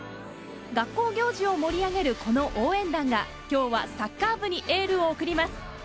学校行事を盛り上げるこの応援団が今日はサッカー部にエールを送ります。